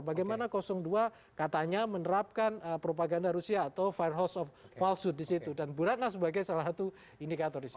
bagaimana dua katanya menerapkan propaganda rusia atau firehouse of falsehood disitu dan bu ratna sebagai salah satu indikator disitu